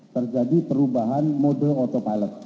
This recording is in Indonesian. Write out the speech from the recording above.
terjadi perubahan mode otopilot